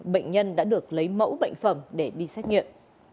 bệnh nhân đã được lấy mẫu bệnh phẩm để đi xét nghiệm